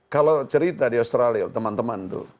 kalau cerita di australia teman teman tuh